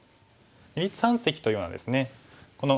「二立三析」というのはですね